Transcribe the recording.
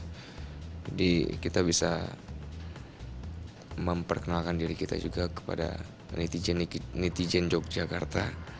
jadi kita bisa memperkenalkan diri kita juga kepada netizen netizen yogyakarta